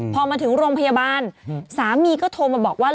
พอมาถึงโรงพยาบาลสามีก็โทรมาบอกว่า